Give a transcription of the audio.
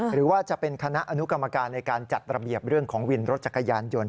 หรือว่าจะเป็นคณะอนุกรรมการในการจัดระเบียบเรื่องของวินรถจักรยานยนต์